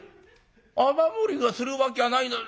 雨漏りがするわきゃないのに。